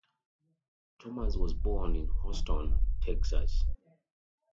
Thomas was born in Houston, Texas.